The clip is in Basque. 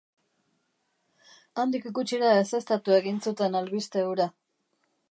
Handik gutxira ezeztatu egin zuten albiste hura.